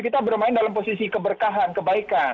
kita bermain dalam posisi keberkahan kebaikan